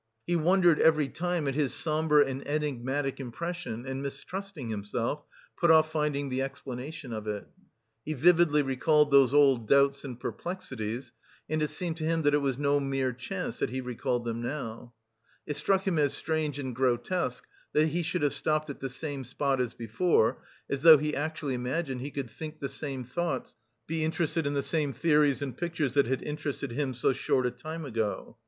He wondered every time at his sombre and enigmatic impression and, mistrusting himself, put off finding the explanation of it. He vividly recalled those old doubts and perplexities, and it seemed to him that it was no mere chance that he recalled them now. It struck him as strange and grotesque, that he should have stopped at the same spot as before, as though he actually imagined he could think the same thoughts, be interested in the same theories and pictures that had interested him... so short a time ago.